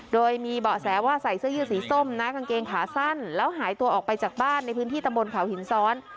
โดยมีเบาะแสว่าใส่เสื้อยืดสีส้มนะกางเกงขาสั้นแล้วหายตัวออกไปจากบ้านในพื้นที่ตะบนเขาหินซ้อน